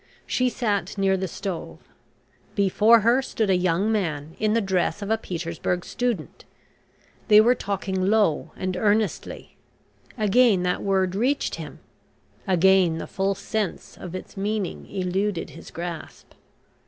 She sat near the stove. Before her stood a young man in the dress of a Petersburg student. They were talking low and earnestly. Again that word reached him, again the full sense of its meaning eluded his grasp.